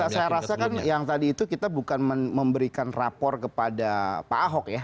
saya rasa kan yang tadi itu kita bukan memberikan rapor kepada pak ahok ya